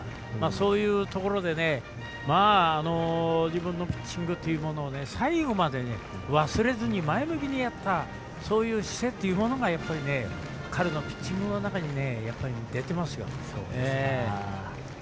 そういうところで自分のピッチングというのを最後まで忘れずに前向きにやったそういう姿勢というものが彼のピッチングの中に出ていますよ。